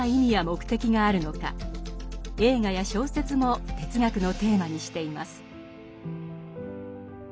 映画や小説も哲学のテーマにしています。